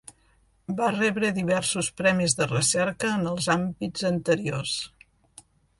Va rebre diversos premis de recerca en els àmbits anteriors.